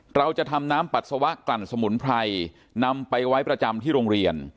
เราจะทำน้ำปัสสาวะกลั่นสมุนไพรนำไปไว้ประจำที่โรงเรียน